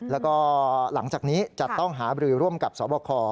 แล้วก็หลังจากนี้จะต้องหาบรือร่วมกับสวบค